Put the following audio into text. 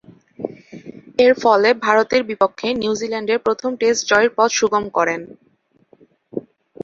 এরফলে, ভারতের বিপক্ষে নিউজিল্যান্ডের প্রথম টেস্ট জয়ের পথ সুগম করেন।